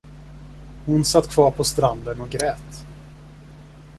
Hon satt kvar på stranden och grät.